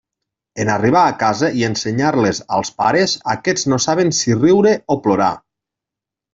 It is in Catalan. En arribar a casa i ensenyar-les als pares, aquests no saben si riure o plorar.